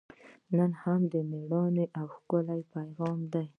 نن هم هغه میړونه او ښکلي پېغلې دي.